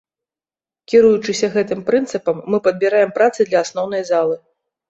Кіруючыся гэтым прынцыпам, мы падбіраем працы для асноўнай залы.